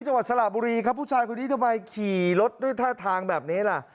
จังหวัดสระบุรีครับผู้ชายคนนี้ทำไมขี่รถด้วยท่าทางแบบนี้ล่ะ